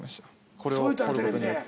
これを彫る事によって。